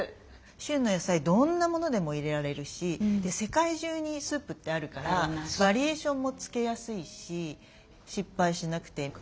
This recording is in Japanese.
旬の野菜どんなものでも入れられるし世界中にスープってあるからバリエーションもつけやすいし失敗しなくていい。